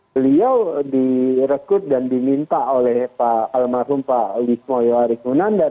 beliau direkrut dan diminta oleh pak almarhum pak lismoyo arief munandar